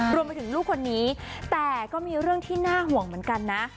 รวมไปถึงลูกคนนี้แต่ก็มีเรื่องที่น่าห่วงเหมือนกันนะ